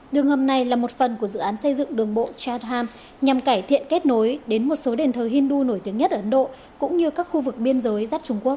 đường hầm này là một phần của dự án xây dựng đường bộ chatham nhằm cải thiện kết nối đến một số đền thờ hindu nổi tiếng nhất ở ấn độ cũng như các khu vực biên giới dắt trung quốc